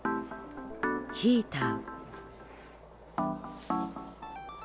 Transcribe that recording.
ヒーター。